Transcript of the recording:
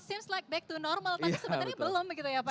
seemes like back to normal tapi sebenarnya belum gitu ya pak ya